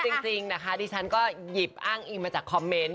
จริงนะคะดิฉันก็หยิบอ้างอิงมาจากคอมเมนต์